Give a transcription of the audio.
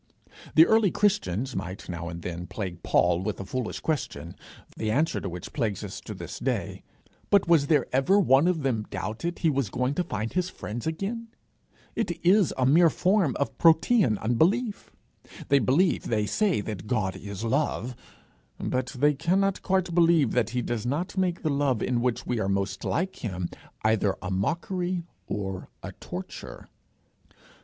The early Christians might now and then plague Paul with a foolish question, the answer to which plagues us to this day; but was there ever one of them doubted he was going to find his friends again? It is a mere form of Protean unbelief. They believe, they say, that God is love; but they cannot quite believe that he does not make the love in which we are most like him, either a mockery or a torture.